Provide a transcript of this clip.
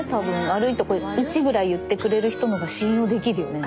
悪いとこ１ぐらい言ってくれる人のほうが信用できるよね。